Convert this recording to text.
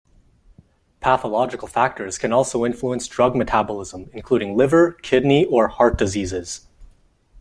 "Pathological factors" can also influence drug metabolism, including liver, kidney, or heart diseases.